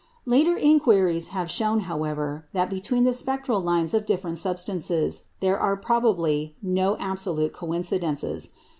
Later inquiries have shown, however, that between the spectral lines of different substances there are probably no absolute coincidences.